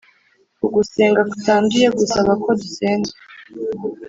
Ugusenga kutanduye gusaba ko dusenga